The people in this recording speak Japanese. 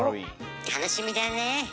楽しみだね。